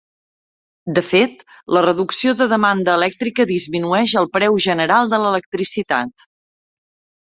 De fet, la reducció de demanda elèctrica disminueix el preu general de l'electricitat.